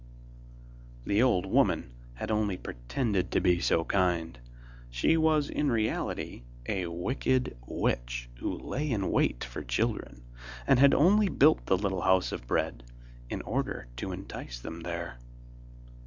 The old woman had only pretended to be so kind; she was in reality a wicked witch, who lay in wait for children, and had only built the little house of bread in order to entice them there.